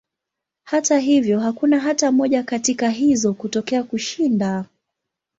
Hata hivyo, hakuna hata moja katika hizo kutokea kushinda.